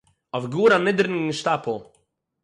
אויף גאָר אַ נידעריגן שטאַפּל